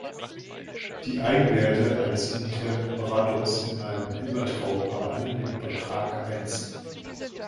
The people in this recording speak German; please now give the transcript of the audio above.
Die Eigenwerte eines unitären Operators in einem Hilbertraum haben alle den Betrag eins.